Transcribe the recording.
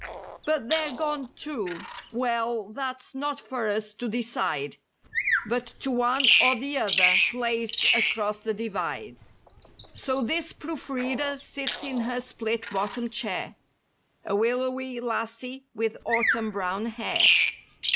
But they're gone to—well, that's not for us to decide But to one or the other place 'cross the divide). So this proof reader sits in her split bottom chair, A willowy lassie with Autumn brown hair.